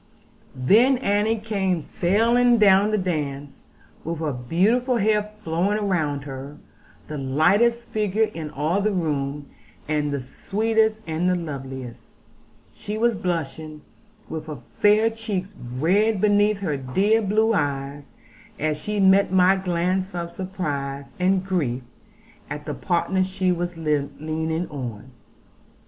Then Annie came sailing down the dance, with her beautiful hair flowing round her; the lightest figure in all the room, and the sweetest, and the loveliest. She was blushing, with her fair cheeks red beneath her dear blue eyes, as she met my glance of surprise and grief at the partner she was leaning on.